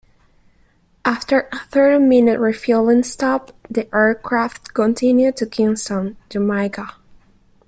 After a thirty-minute refueling stop, the aircraft continued to Kingston, Jamaica.